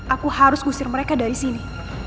aku harus gusir mereka dari sini